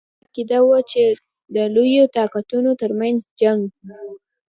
په دې عقیده وو چې د لویو طاقتونو ترمنځ جنګ.